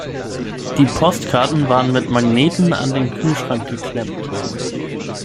Die Postkarten waren mit Magneten an den Kühlschrank geklemmt.